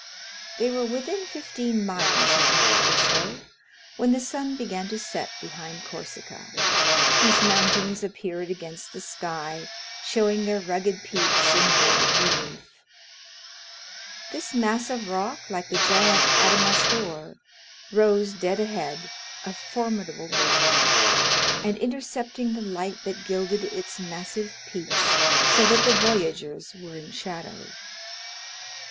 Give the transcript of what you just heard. They were within fifteen miles of Monte Cristo when the sun began to set behind Corsica, whose mountains appeared against the sky, showing their rugged peaks in bold relief; this mass of rock, like the giant Adamastor, rose dead ahead, a formidable barrier, and intercepting the light that gilded its massive peaks so that the voyagers were in shadow.